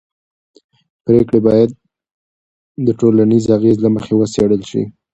پرېکړې باید د ټولنیز اغېز له مخې وڅېړل شي